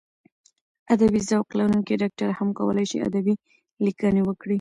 ادبي ذوق لرونکی ډاکټر هم کولای شي ادبي لیکنې وکړي.